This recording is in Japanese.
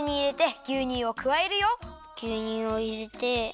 ぎゅうにゅうをいれて。